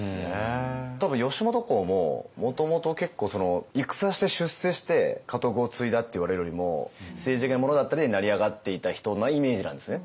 多分義元公ももともと結構戦して出世して家督を継いだっていわれるよりも政治的なものだったりで成り上がっていった人のイメージなんですね。